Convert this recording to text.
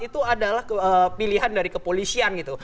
itu adalah pilihan dari kepolisian gitu